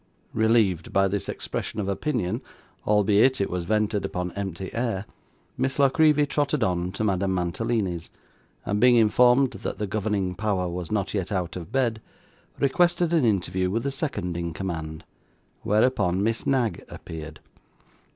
Relieved by this expression of opinion, albeit it was vented upon empty air, Miss La Creevy trotted on to Madame Mantalini's; and being informed that the governing power was not yet out of bed, requested an interview with the second in command; whereupon Miss Knag appeared.